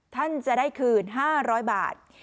ท่านจะได้คืน๕๐๐บาท